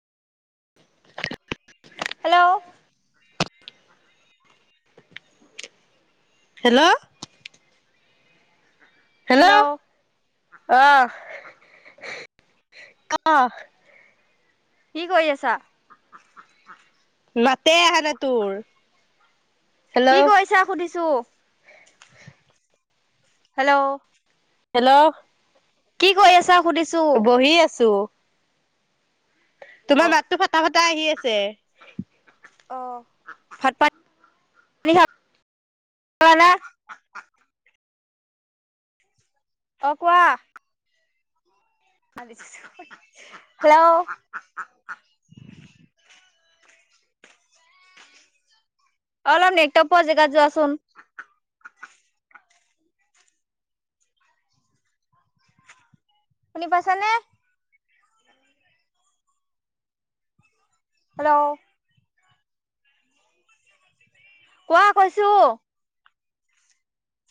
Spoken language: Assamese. হেল্লও। হেল্ল'। হেল্ল' অ। অ। কি কৰি আছা? মাতে আহা নাই তোৰ। কি হেল্ল' কৰিছা সুধিছো। হেল্ল'। হেল্ল'। কি কৰি আছা সুধিছো। বহি আছো অ তোমাৰ মাতটো ফাটা-ফাটা আহি আছে। অ, ভাত পা নী খা [unintelligible] অ, কোৱা। [unintelligible] হেল্ল'। অ অলপ নেটৱক পোৱা জেগাত যোৱাচোন। শুনি পাইছানে? হেল্লও। কোৱা কৈছো।